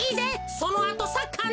そのあとサッカーな。